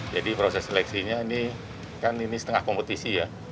jadi proses seleksinya ini kan ini setengah kompetisi ya